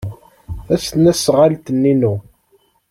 Tasnasɣalt-nni inu.